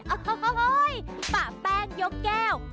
โอ้โหปะแป้งยกแก้ว